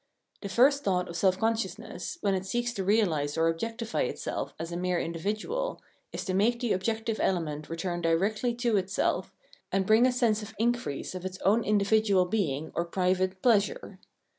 The first thought of self con sciousness vi'hen it seeks to realise or objectify itself as a mere individual is to make the objective element return directly to itself and bring a sense of increase of its own individual being or private Pleasure.